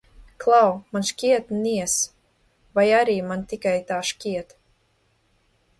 Klau, man šeit niez, vai arī man tikai tā šķiet?